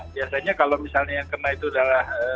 biasanya kalau misalnya yang kena itu adalah